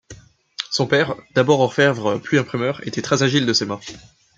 Son père, d'abord orfèvre puis imprimeur, était très agile de ses mains.